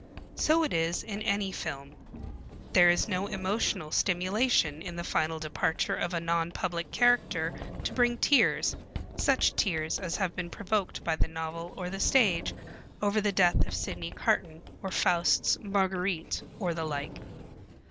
So it is in any film. There is no emotional stimulation in the final departure of a non public character to bring tears, such tears as have been provoked by the novel or the stage over the death of Sidney Carton or Faust's Marguerite or the like.